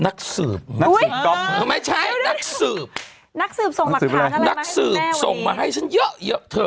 นักสืบส่งมาให้ฉันเยอะเยอะ